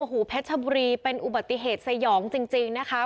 โอ้โหเพชรบุรีเป็นอุบัติเหตุสยองจริงนะคะ